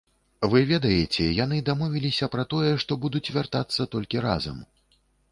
Вы ведаеце, яны дамовіліся пра тое, што будуць вяртацца толькі разам.